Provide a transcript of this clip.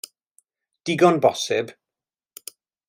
Digon bosib.